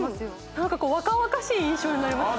何か若々しい印象になりましたね